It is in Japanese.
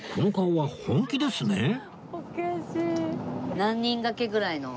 何人掛けぐらいの？